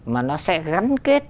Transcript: mà nó sẽ gắn kết